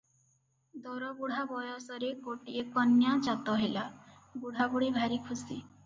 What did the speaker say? ଦରବୁଢା ବୟସରେ ଗୋଟିଏ କନ୍ୟା ଜାତ ହେଲା, ବୁଢ଼ାବୁଢ଼ୀ ଭାରି ଖୁସି ।